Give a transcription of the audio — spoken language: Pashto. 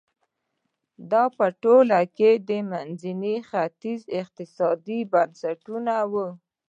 دا په ټوله کې د منځني ختیځ اقتصادي بنسټونه وو.